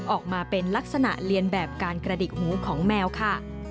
ออกมาเป็นลักษณะเรียนแบบการกระดิกหูของแมวค่ะ